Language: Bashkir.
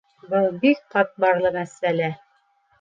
Был бик ҡатмарлы мәсьәлә.